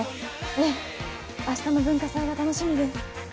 えぇ明日の文化祭が楽しみです。